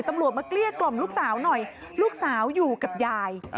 ตำรวจมาเกลี้ยกล่อมลูกสาวหน่อยลูกสาวอยู่กับยาย